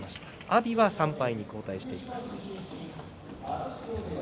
阿炎は３敗に後退しています。